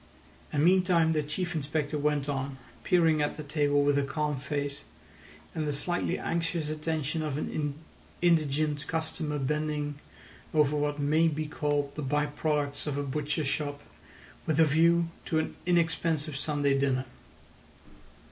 And meantime the Chief Inspector went on, peering at the table with a calm face and the slightly anxious attention of an indigent customer bending over what may be called the by products of a butcher's shop with a view to an inexpensive Sunday dinner.